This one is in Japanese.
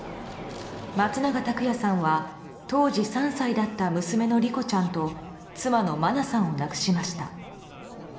松永拓也さんは当時３歳だった娘の莉子ちゃんと妻の真菜さんを亡くしました。